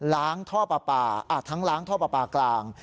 ท่อปลาปลาทั้งล้างท่อปลาปลากลาง